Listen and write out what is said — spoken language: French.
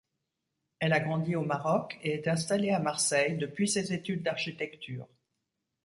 Elle a grandi au Maroc et est installée à Marseille depuis ses études d’architecture.